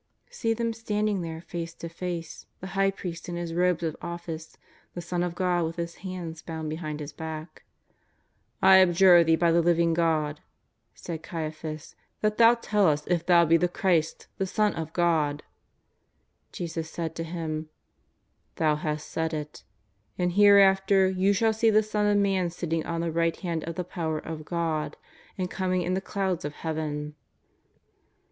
See them standing there' face to face — the High priest in his robes of office, the Son of God with His hands bound behind His back. " I adjure Thee by the Living God," said Caiaphaa, " that Thou tell us if Thou be the Christ, the Son of God." Jesus said to him :" Thou hast said it. And, here after, you shall see the Son of Man sitting on the right hand of the power of God and coming in the clouds of Heaven."